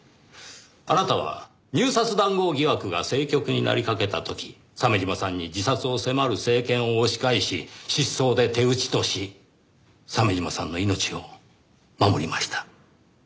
あなたは入札談合疑惑が政局になりかけた時鮫島さんに自殺を迫る政権を押し返し失踪で手打ちとし鮫島さんの命を守りました。